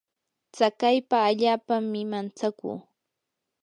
tsakaypa allaapami mantsakuu.